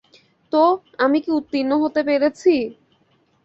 তো, আমি কি উত্তীর্ণ হতে পেরেছি?